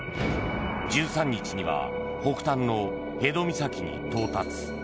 １３日には北端の辺戸岬に到達。